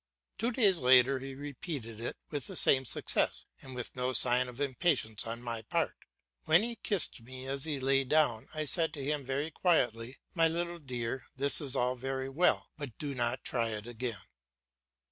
Two days later he repeated it, with the same success and with no sign of impatience on my part. When he kissed me as he lay down, I said to him very quietly, "My little dear, this is all very well, but do not try it again."